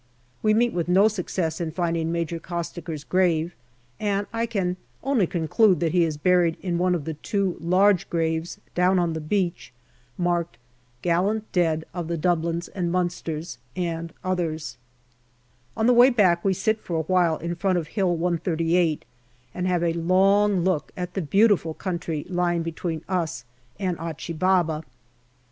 We meet with no success in finding Major Costaker's grave, and I can only conclude that he is buried in one of the two large graves down on the beach marked " Gallant dead of the Dublins and Munsters and others/' On the way back we sit for a while in front of Hill 138 and have a long look at the beautiful country lying between us and Achi Baba.